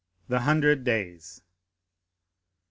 The Hundred Days M.